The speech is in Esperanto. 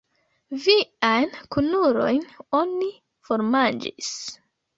Viajn kunulojn oni formanĝis!